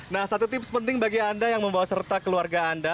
nah satu tips penting bagi anda yang membawa serta keluarga anda